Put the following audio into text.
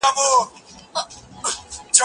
زه کولای سم ليکنې وکړم!؟